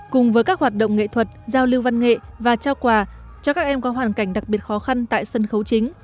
cùng với các hoạt động nghệ thuật giao lưu văn nghệ và trao quà cho các em có hoàn cảnh đặc biệt khó khăn tại sân khấu chính